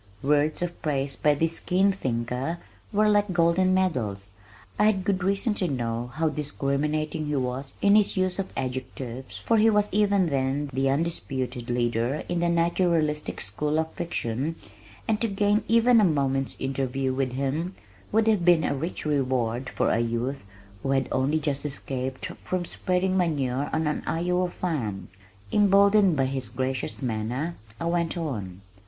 Words of praise by this keen thinker were like golden medals. I had good reason to know how discriminating he was in his use of adjectives for he was even then the undisputed leader in the naturalistic school of fiction and to gain even a moment's interview with him would have been a rich reward for a youth who had only just escaped from spreading manure on an Iowa farm. Emboldened by his gracious manner, I went on.